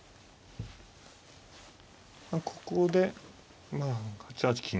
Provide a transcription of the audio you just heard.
ここでまあ何か８八金。